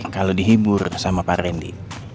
kalau dihibur sama pak randy